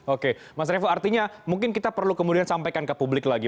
oke mas revo artinya mungkin kita perlu kemudian sampaikan ke publik lagi